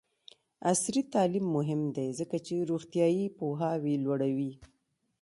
عصري تعلیم مهم دی ځکه چې روغتیایي پوهاوی لوړوي.